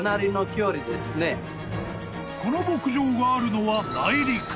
［この牧場があるのは内陸］